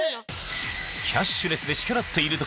キャッシュレスで支払っている時